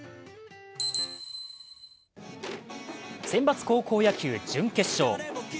選抜高校野球準決勝。